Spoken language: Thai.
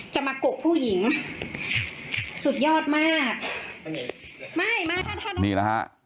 จะมาโกกผู้หญิงสุดยอดมากไม่ไม่นี่แหละฮะ